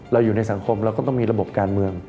เราอยู่ในสังคมเราก็ต้องมีระบบการเมือง